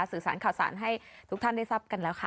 สื่อสารข่าวสารให้ทุกท่านได้ทราบกันแล้วค่ะ